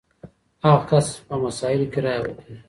هغه کس په مسايلو کي رايه ورکوي.